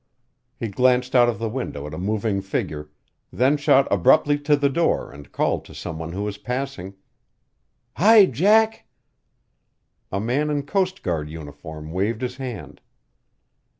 He glanced out of the window at a moving figure, then shot abruptly to the door and called to some one who was passing: "Hi, Jack!" A man in coast guard uniform waved his hand.